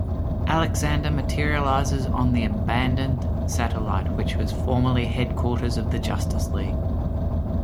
Alexander materializes on the abandoned satellite which was formerly headquarters of the Justice League.